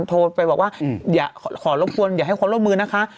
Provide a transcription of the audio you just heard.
โทรไปบอกว่าอย่าขอรบกวนอย่าให้ความร่วมมือนะคะ